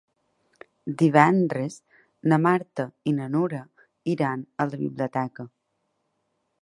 Divendres na Marta i na Nura iran a la biblioteca.